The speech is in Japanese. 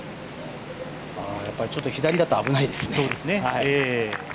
ちょっと左だと危ないですね。